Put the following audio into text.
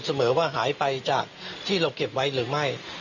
เสมอว่าหายไปจากที่เราเก็บไว้หรือไม่